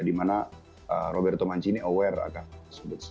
di mana roberto mancini aware akan tersebut